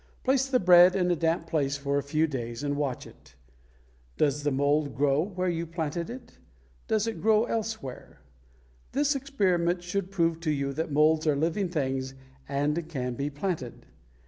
Place the bread in a damp place for a few days and watch it. Does the mold grow where you planted it? Does it grow elsewhere? This experiment should prove to you that molds are living things and can be planted.